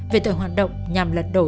về tội hoạt động nhằm lật đổ